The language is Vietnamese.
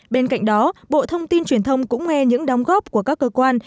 bên cạnh đó bộ thông tin truyền thông cũng nghe những đóng góp của các cơ quan